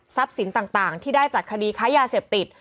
สินต่างที่ได้จากคดีค้ายาเสพติด